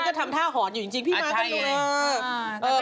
เอ้อแต่มันก็ทำท่าหอนอยู่จริงพี่ม้าก็ดูเลย